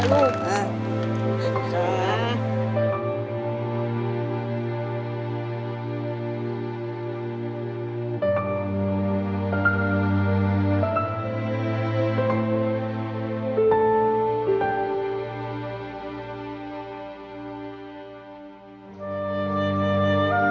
ร้องได้ให้ร้อง